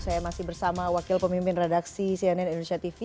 saya masih bersama wakil pemimpin redaksi cnn indonesia tv